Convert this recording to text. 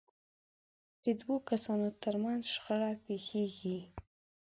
د دوو کسانو ترمنځ شخړه پېښېږي.